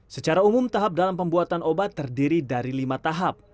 secara umum tahap dalam pembuatan obat terdiri dari lima tahap